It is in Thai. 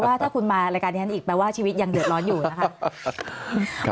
ว่าถ้าคุณมานี่ก็ก็แปลว่าชีวิตยังเดือดร้อนอยู่นะคะ